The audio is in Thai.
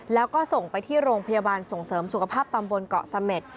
แล้วก็ส่งไปที่โรงพยาบาลส่งเสริมสุขภาพตำบลเกาะเสม็ด